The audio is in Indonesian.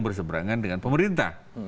berseberangan dengan pemerintah